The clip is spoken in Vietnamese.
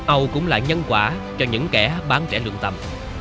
âu cũng là nhân quả cho những kẻ bán trẻ lượng tầm